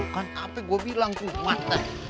kan hp gua bilang ku matah